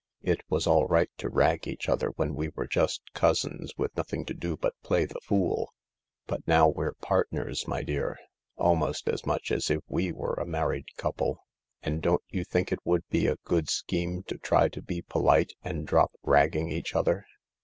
It was all right to rag each other when we were just cousins with nothing to do but play the fool. But now we're partners, my dear ; almost as much as if we were a married couple. 38 THE LARK And don't you think it would be a good scheme to try to be polite, and drop ragging each other